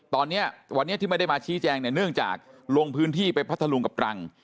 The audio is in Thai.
ตอนนี้วันนี้ที่ไม่ได้มาชี้แจงเนี่ยเนื่องจากลงพื้นที่ไปพัทธรุงกับตรัง